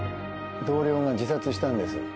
同僚が自殺したんですよ。